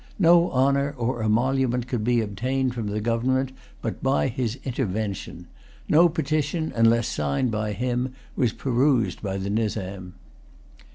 No honour or emolument could be obtained from the government but by his intervention. No petition, unless signed by him, was perused by the Nizam.